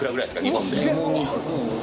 日本で。